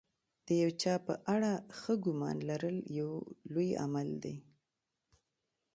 د یو چا په اړه ښه ګمان لرل لوی عمل دی.